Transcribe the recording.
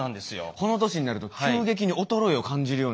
この年になると急激に衰えを感じるようになってきまして。